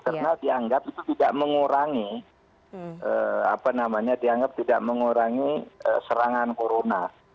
karena dianggap itu tidak mengurangi serangan corona